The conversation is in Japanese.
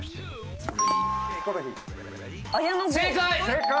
正解！